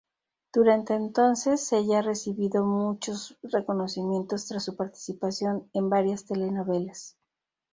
Desde entonces, ella ha recibido muchos reconocimientos tras su participación en varias telenovelas.